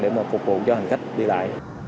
để mà phục vụ cho hành khách đi lại